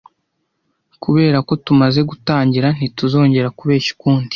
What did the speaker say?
Kuberako tumaze gutangira ntituzongera kubeshya ukundi.